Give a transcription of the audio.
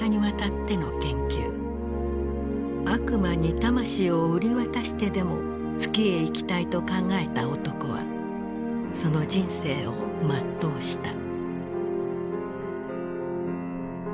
悪魔に魂を売り渡してでも月へ行きたいと考えた男はその人生を全うした。